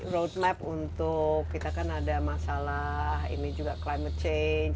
roadmap untuk kita kan ada masalah ini juga climate change